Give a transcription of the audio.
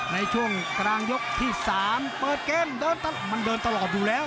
ในช่วงกลางยกที่๓เปิดเกมเดินมันเดินตลอดอยู่แล้ว